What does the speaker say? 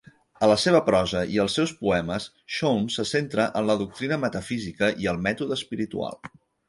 A la seva prosa i els seus poemes, Schoun se centra en la doctrina metafísica i el mètode espiritual.